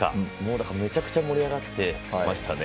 だから、めちゃくちゃ盛り上がってましたね。